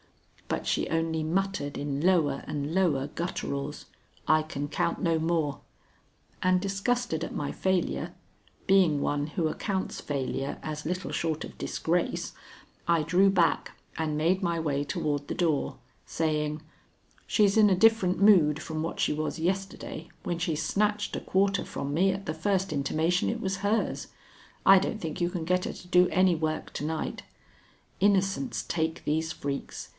But she only muttered in lower and lower gutturals, "I can count no more"; and, disgusted at my failure, being one who accounts failure as little short of disgrace, I drew back and made my way toward the door, saying: "She's in a different mood from what she was yesterday when she snatched a quarter from me at the first intimation it was hers. I don't think you can get her to do any work to night. Innocents take these freaks.